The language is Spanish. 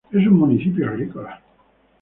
Es un municipio agrícola